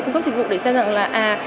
cung cấp dịch vụ để xem rằng là